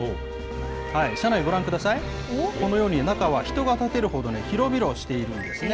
車内ご覧ください、このように、中は人が立てるほど、広々しているんですね。